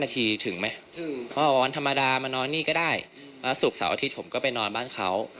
สุดสาวอาทิตย์ผมก็ไปนอนบ้านเขา